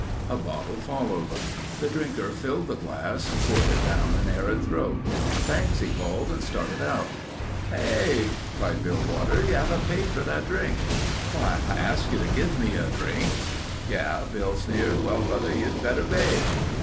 A bottle followed. The drinker filled the glass, poured it down an arid throat. "Thanks," he called and started out. "Hey—" cried Bill Waters. "You haven't paid for that drink." "Why, I asked you to give me a drink...." "Yeh," Bill sneered. "Well, brother, you'd better pay."